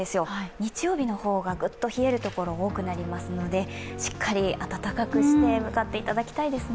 日曜日の方がぐっと冷える所が多くなりますのでしっかり暖かくして向かっていただきたいですね。